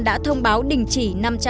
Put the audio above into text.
đã thông báo đình chỉ năm trăm sáu mươi chín